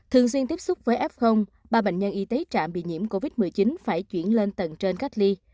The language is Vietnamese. thường xuyên tiếp xúc với f ba bệnh nhân y tế trạm bị nhiễm covid một mươi chín phải chuyển lên tầng trên cách ly